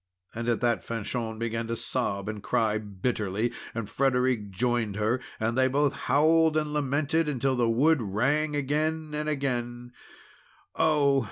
And at that Fanchon began to sob and cry bitterly, and Frederic joined her; and they both howled and lamented until the wood rang again and again: "Oh!